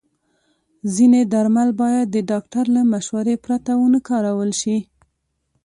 ځینې درمل باید د ډاکټر له مشورې پرته ونه کارول شي.